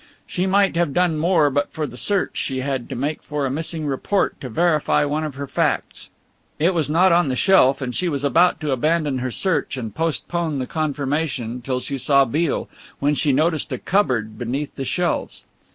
She might have done more but for the search she had to make for a missing report to verify one of her facts. It was not on the shelf, and she was about to abandon her search and postpone the confirmation till she saw Beale, when she noticed a cupboard beneath the shelves.